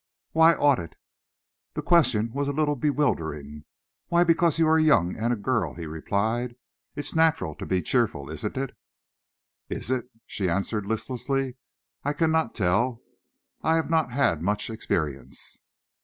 "Why ought it?" The question was a little bewildering. "Why, because you are young and a girl," he replied. "It's natural to be cheerful, isn't it?" "Is it?" she answered listlessly. "I cannot tell. I have not had much experience."